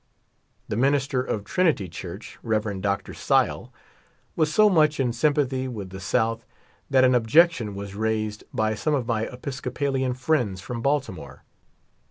The min ister of Trinity Church, Rev. Dr. Sy\e, was so much in S3'mpath3' with the South that an objection was raised by some of ray Episcopalian friends from Baltimore.